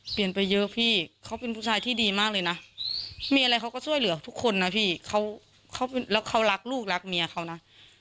ไปเยอะพี่เขาเป็นผู้ชายที่ดีมากเลยนะมีอะไรเขาก็ช่วยเหลือทุกคนนะพี่เขาแล้วเขารักลูกรักเมียเขานะ